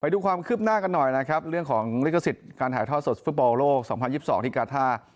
ดูความคืบหน้ากันหน่อยนะครับเรื่องของลิขสิทธิ์การถ่ายทอดสดฟุตบอลโลก๒๐๒๒ที่กาท่า